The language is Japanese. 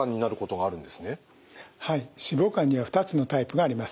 はい脂肪肝には２つのタイプがあります。